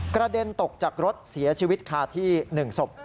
กระเด็นตกจากรถเสียชีวิตคาที่๑ศพ